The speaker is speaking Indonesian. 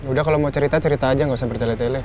udah kalau mau cerita cerita aja gak usah bertele tele